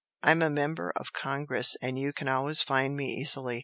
I'm a member of Congress and you can always find me easily.